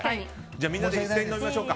みんなで一斉に飲みましょうか。